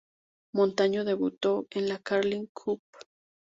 Montaño debutó en la Carling Cup.